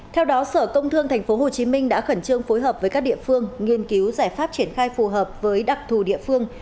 theo đó sở công thương tp hcm đã khẩn trương phối hợp với các địa phương nghiên cứu giải pháp triển khai phù hợp với đặc thù địa phương